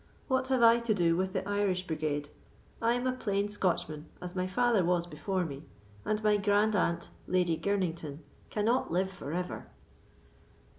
What have I to do with the Irish brigade? I am a plain Scotchman, as my father was before me; and my grand aunt, Lady Girnington, cannot live for ever."